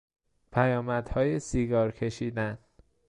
پیامدهای سیگار کشیدن